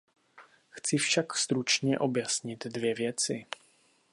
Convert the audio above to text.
Chci však stručně objasnit dvě věci.